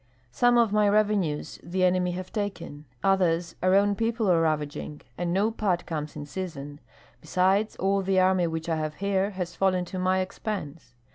Some of my revenues the enemy have taken; others, our own people are ravaging, and no part comes in season; besides, all the army which I have here, has fallen to my expense.